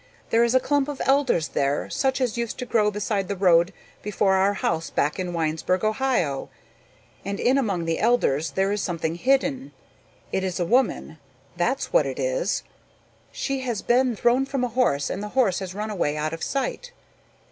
There is a clump of elders there such as used to grow beside the road before our house back in Winesburg, Ohio, and in among the elders there is something hidden. It is a woman, that's what it is. She has been thrown from a horse and the horse has run away out of sight.